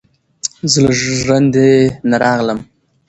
ـ زه له ژړندې نه راغلم،